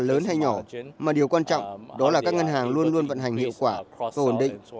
lớn hay nhỏ mà điều quan trọng đó là các ngân hàng luôn luôn vận hành hiệu quả và ổn định